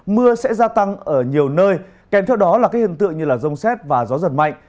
mưa sẽ gia tăng ở nhiều nơi kèm theo đó là các hiện tượng như rông xét và gió giật mạnh